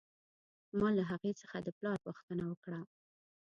ما له هغې څخه د پلار پوښتنه وکړه